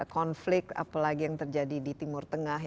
konflik apalagi yang terjadi di timur tengah